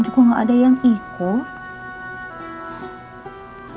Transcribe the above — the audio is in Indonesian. juga gak ada yang ikut